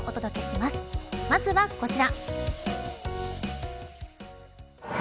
まずはこちら。